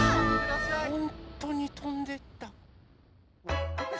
ほんとにとんでった。